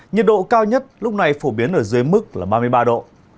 nhiệt độ cao nhất lúc này phổ biến ở dưới mức là ba mươi ba độ